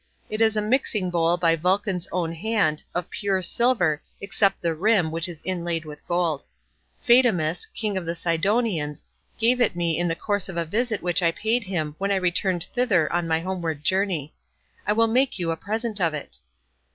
It is a mixing bowl by Vulcan's own hand, of pure silver, except the rim, which is inlaid with gold. Phaedimus, king of the Sidonians, gave it me in the course of a visit which I paid him when I returned thither on my homeward journey. I will make you a present of it."